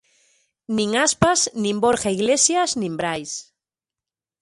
Nin Aspas nin Borja Iglesias, nin Brais.